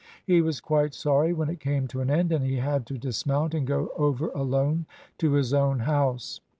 He was quite sorry when it came to an end, and he had to dismount and go over alone to his own house.